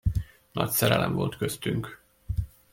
Nagy szerelem volt köztünk.